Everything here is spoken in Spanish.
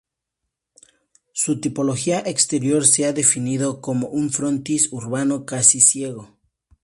Su tipología exterior se ha definido como un frontis urbano casi ciego.